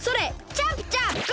チャップチャップ！